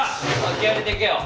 気合い入れていけよ！